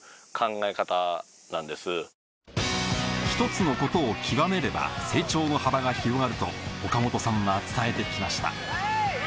１つのことを究めれば成長の幅が広がると岡本さんは伝えて来ました